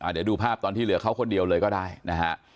เดี๋ยวดูภาพตอนที่เหลือเขาคนเดียวเลยก็ได้นะฮะ